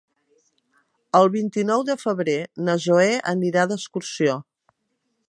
El vint-i-nou de febrer na Zoè anirà d'excursió.